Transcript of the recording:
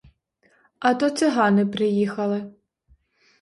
А то цигани приїхали.